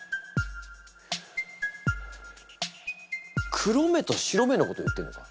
黒目と白目のこと言ってんのか？